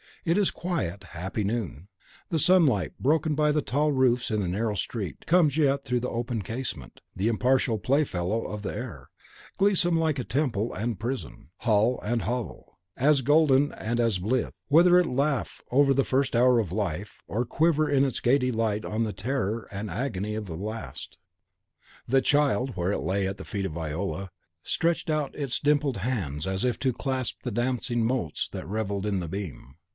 It is quiet, happy noon; the sunlight, broken by the tall roofs in the narrow street, comes yet through the open casement, the impartial playfellow of the air, gleesome alike in temple and prison, hall and hovel; as golden and as blithe, whether it laugh over the first hour of life, or quiver in its gay delight on the terror and agony of the last! The child, where it lay at the feet of Viola, stretched out its dimpled hands as if to clasp the dancing motes that revelled in the beam.